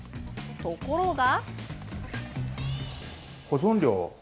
ところが。